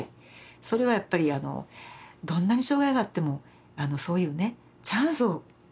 それはやっぱりどんなに障害があってもそういうねチャンスをくれないかと。